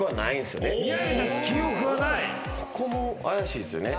ここも怪しいっすよね。